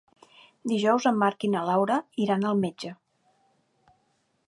Dijous en Marc i na Laura iran al metge.